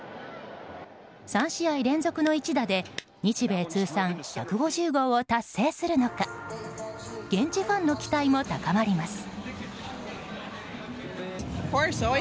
３試合連続の一打で日米通算１５０号を達成するのか現地ファンの期待も高まります。